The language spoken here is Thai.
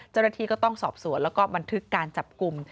เจ้าหน้าที่ก็ต้องสอบสวนแล้วก็บันทึกการจับกลุ่ม